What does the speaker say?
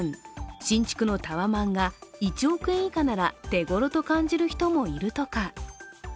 新築のタワマンが１億円以下なら手ごろと感じる人もいるとか。